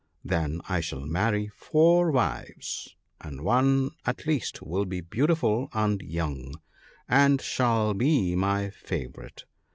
Then I shall marry four wives — and one at least will be beautiful and young, and she shall be my favourite.